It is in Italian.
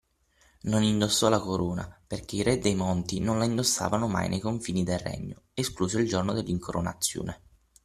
non indossò la corona, perché i re dei Monti non la indossavano mai nei confini del Regno, escluso il giorno dell’incoronazione.